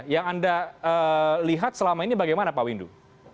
yang anda lihat selama ini bagaimana pak windu